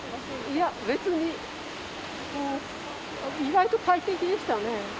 いや別に意外と快適でしたね。